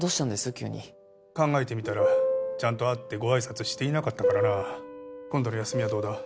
急に考えてみたらちゃんと会ってご挨拶していなかったからな今度の休みはどうだ？